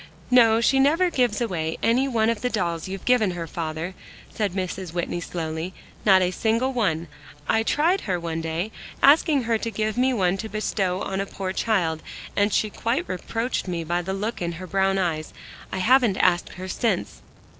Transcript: "No, she never gives away one of the dolls you've given her, father," said Mrs. Whitney slowly, "not a single one. I tried her one day, asking her to give me one to bestow on a poor child, and she quite reproached me by the look in her brown eyes. I haven't asked her since."